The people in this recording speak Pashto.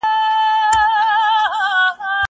زه اوس سیر کوم!!